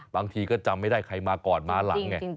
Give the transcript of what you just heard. บางทีก็จำไม่ได้ใครมาก่อนมาหลังไง